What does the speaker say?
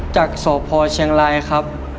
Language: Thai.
จากสพเชียงรายครับ